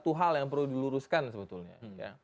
itu hal yang perlu diluruskan sebetulnya